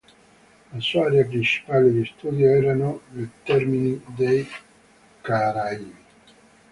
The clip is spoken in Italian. La sua area principale di studio erano le termiti dei Caraibi.